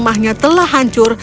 rumahnya telah hancur